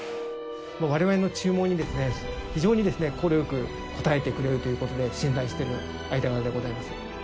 我々の注文に非常に快く答えてくれるということで信頼している間柄でございます。